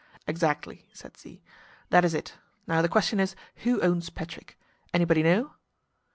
"Exactly," said Z. "That is it. Now the question is, who owns Patrick? Anybody know?"